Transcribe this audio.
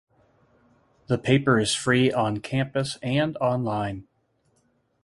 The paper is free on campus and online.